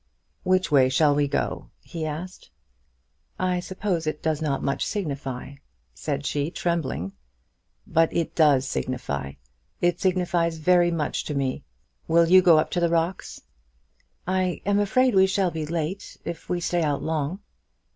"Which way shall we go?" he asked. "I suppose it does not much signify," said she, trembling. "But it does signify. It signifies very much to me. Will you go up to the rocks?" "I am afraid we shall be late, if we stay out long."